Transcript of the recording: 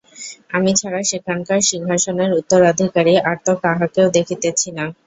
আমি ছাড়া সেখানকার সিংহাসনের উত্তরাধিকারী আর তো কাহাকেও দেখিতেছি না।